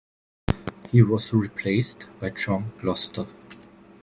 He was replaced by John Gloster.